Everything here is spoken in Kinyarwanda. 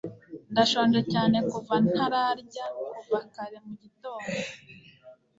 ndashonje cyane kuva ntararya kuva kare mugitondo